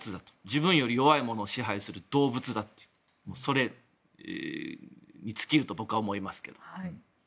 自分より弱いものを支配する動物だというそれに尽きると僕は思いますけど。